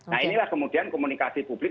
nah inilah kemudian komunikasi publik